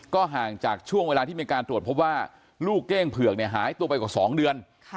ห่างจากช่วงเวลาที่มีการตรวจพบว่าลูกเก้งเผือกเนี่ยหายตัวไปกว่า๒เดือน